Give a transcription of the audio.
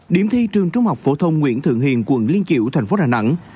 điểm thi trường trung học phủ thông nguyễn thượng hiền quận liên kiểu tp đà nẵng